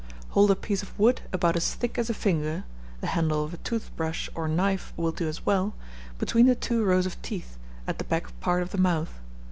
hold a piece of wood about as thick as a finger the handle of a tooth brush or knife will do as well between the two rows of teeth, at the back part of the mouth.